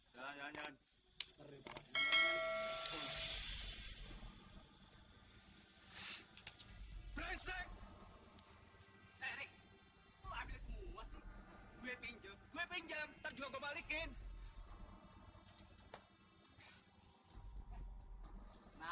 jangan jangan jangan